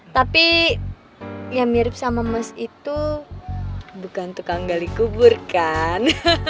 tapi yang mirip sama mas itu bukan tukang gali kubur kan